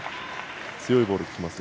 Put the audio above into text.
強いボールがきますよ。